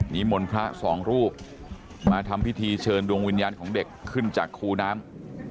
มนต์พระสองรูปมาทำพิธีเชิญดวงวิญญาณของเด็กขึ้นจากคูน้ำ